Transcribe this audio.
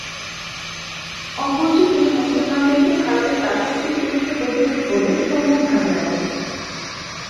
অপরটি তিনি মুসলমানদেরকে "ভারতের দাসত্বের বিরুদ্ধে প্রতিরোধ" বলে সম্মুখভাগে রাখেন।